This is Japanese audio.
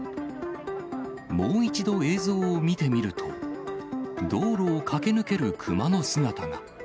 もう一度映像を見てみると、道路を駆け抜ける熊の姿が。